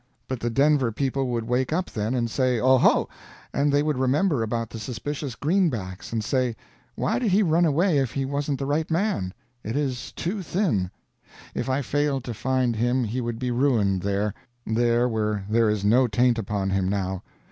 But the Denver people would wake up then and say "Oho!" and they would remember about the suspicious greenbacks, and say, "Why did he run away if he wasn't the right man? it is too thin." If I failed to find him he would be ruined there there where there is no taint upon him now.